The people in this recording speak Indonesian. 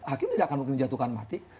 hakim tidak akan mungkin menjatuhkan mati